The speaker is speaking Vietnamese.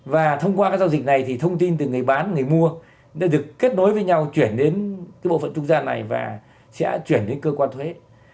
và thông qua các giao dịch này thì thông tin từ người bán người mua đã được kết nối với nhau chuyển đến bộ phận trung gian này và sẽ chuyển đến cơ quan thuế